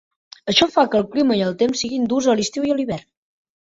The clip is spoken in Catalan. Això fa que el clima i el temps siguin durs a l'estiu i a l'hivern.